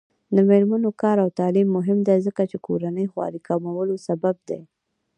د میرمنو کار او تعلیم مهم دی ځکه چې کورنۍ خوارۍ کمولو سبب دی.